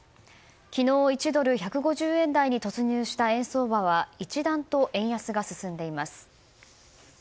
昨日、１ドル＝１５０円台に突入した円相場は一段と円安が進んでいます。